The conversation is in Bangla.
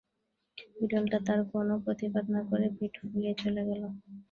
বিড়ালটা তার কোনো প্রতিবাদ না করে পিঠ ফুলিয়ে চলে গেল।